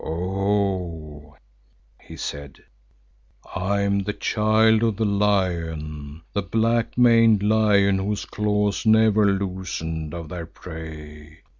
"Oho!" he said, "I am the child of the Lion, the Black maned Lion, whose claws never loosened of their prey.